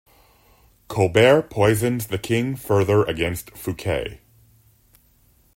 Colbert poisons the king further against Fouquet.